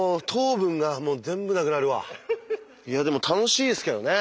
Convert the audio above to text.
いやでも楽しいですけどね。